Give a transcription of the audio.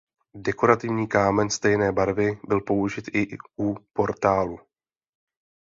Dekorativní kamen stejné barvy byl použit i u portálu.